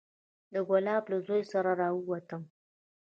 د ګلاب له زوى سره راووتم.